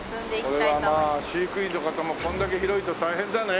これはまあ飼育員の方もこれだけ広いと大変だね。